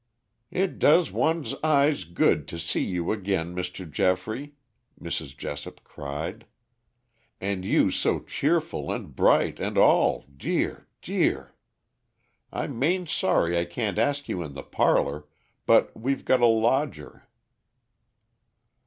"It does one's eyes good to see you again, Mr. Geoffrey," Mrs. Jessop cried. "And you so cheerful and bright, and all, dear, dear! I'm main sorry I can't ask you in the parlor, but we've got a lodger."